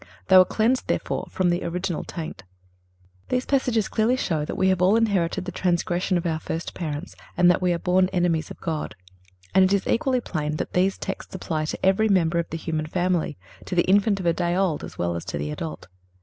They were cleansed, therefore, from the original taint. These passages clearly show that we have all inherited the transgression of our first parents, and that we are born enemies of God. And it is equally plain that these texts apply to every member of the human family—to the infant of a day old as well as to the adult.